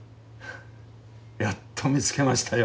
やっと見つけましたよ。